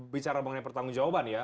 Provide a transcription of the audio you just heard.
bicara mengenai pertanggungjawaban ya